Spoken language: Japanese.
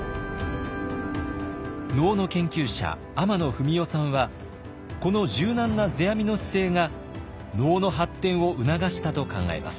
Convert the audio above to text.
能の研究者天野文雄さんはこの柔軟な世阿弥の姿勢が能の発展を促したと考えます。